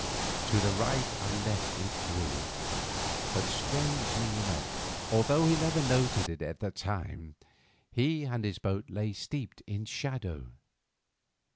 To right and left it grew, but, strangely enough, although he never noted it at the time, he and his boat lay steeped in shadow.